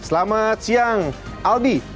selamat siang albi